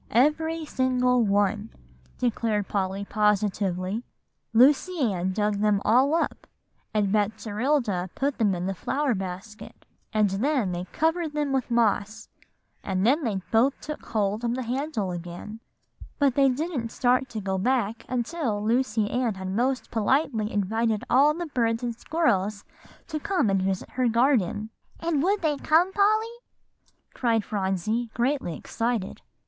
"Every single one," declared Polly positively. "Lucy Ann dug them all up, and Betserilda put them in the flower basket, and then they covered them with moss, and then they both took hold of the handle again; but they didn't start to go back until Lucy Ann had most politely invited all the birds and squirrels to come and visit her garden." [Illustration: Lucy Ann's garden.] "And would they come, Polly?" cried Phronsie greatly excited.